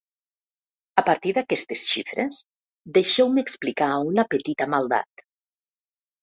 A partir d’aquestes xifres, deixeu-me explicar una petita maldat.